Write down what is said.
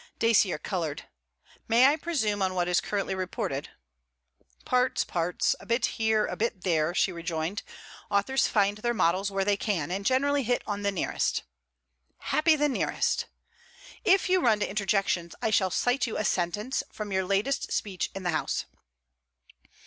Dacier coloured. 'May I presume on what is currently reported?' 'Parts, parts; a bit here, a bit there,' she rejoined. 'Authors find their models where they can, and generally hit on the nearest.' 'Happy the nearest!' 'If you run to interjections I shall cite you a sentence, from your latest speech in the House.'